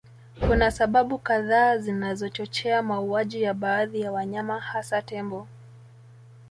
Kuna sababu kadhaa zinazochochea mauaji ya baadhi ya wanyama hasa Tembo